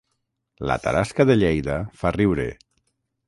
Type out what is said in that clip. La tarasca de Lleida fa riure